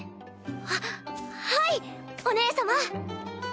ははいお姉様！